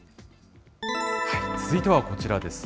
続いてはこちらです。